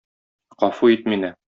Гафу ит мине.